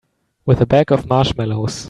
With a bag of marshmallows.